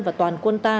và toàn quân ta